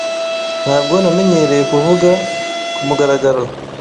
Ntabwo namenyereye kuvuga kumugaragaro.